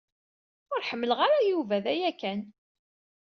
Ur ḥemmleɣ ara Yuba d aya kan.